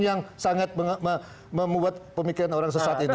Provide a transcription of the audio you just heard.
yang sangat membuat pemikiran orang sesat ini